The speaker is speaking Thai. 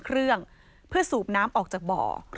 เครื่องเพื่อสูบน้ำออกจากบ่อ